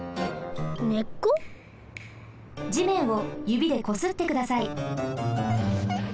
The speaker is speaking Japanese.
じめんをゆびでこすってください。